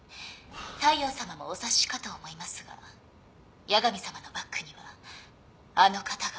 大陽さまもお察しかと思いますが八神さまのバックにはあの方が。